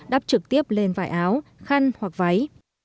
đắp trực tiếp lên vải áo khăn hoặc váy